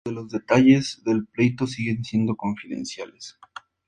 Muchos de los detalles del pleito siguen siendo confidenciales.